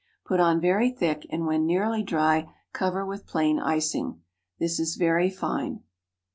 Put on very thick, and, when nearly dry, cover with plain icing. This is very fine.